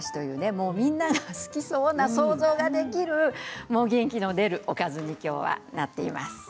もうみんなが好きそうな想像ができる元気の出るおかずに今日はなっています。